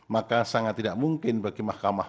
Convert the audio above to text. maka sangat tidak mungkin bagi mahkamah